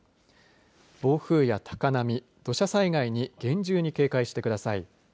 暴風や高波、土砂災害に厳重に警戒してください。